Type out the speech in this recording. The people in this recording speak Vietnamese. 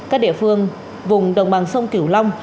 các địa phương vùng đồng bằng sông kiểu long